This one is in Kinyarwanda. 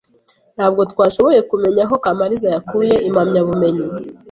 Ntabwo twashoboye kumenya aho Kamaliza yakuye impamyabumenyi.